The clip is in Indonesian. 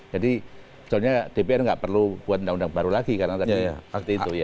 jadi soalnya dpr nggak perlu buat undang undang baru lagi karena tadi seperti itu ya